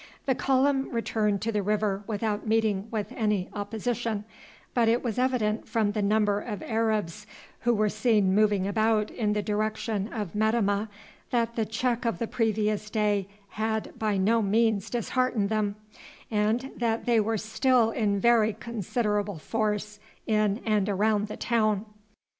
The column returned to the river without meeting with any opposition; but it was evident from the number of Arabs who were seen moving about in the direction of Metemmeh that the check of the previous day had by no means disheartened them, and that they were still in very considerable force in and around the town.